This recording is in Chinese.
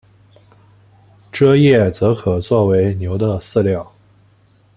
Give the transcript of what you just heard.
蔗叶则可做为牛的饲料。